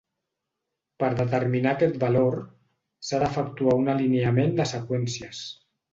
Per determinar aquest valor, s'ha d'efectuar un alineament de seqüències.